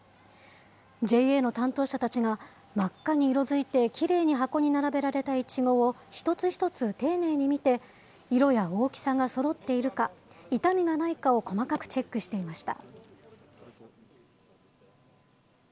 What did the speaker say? ＪＡの担当者たちが、真っ赤に色づいてきれいに箱に並べられたいちごを一つ一つ丁寧に見て、色や大きさがそろっているか、傷みがないかを細かくチェックしていました。